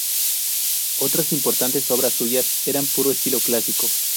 Otras importantes obras suyas eran puro estilo clásico.